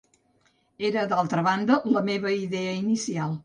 Era d'altra banda la meva idea inicial.